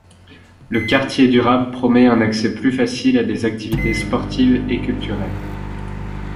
Le quartier durable promet un accès plus facile à des activités sportives et culturelles.